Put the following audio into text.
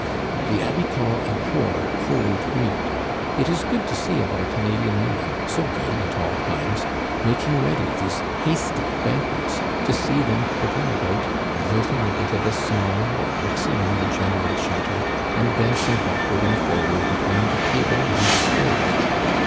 The habitants abhor cold meat. It is good to see our Canadian women, so gay at all times, making ready these hasty banquets — to see them tripping about, lilting a bit of a song, or mixing in the general chatter, and dancing backward and forward be tween the table and the stove.